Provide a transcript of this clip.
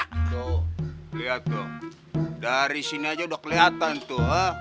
tuh liat tuh dari sini aja udah keliatan tuh